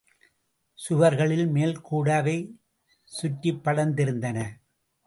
சுவர்களின் மேல் கூட அவை சுற்றிப் படர்ந்திருந்தன.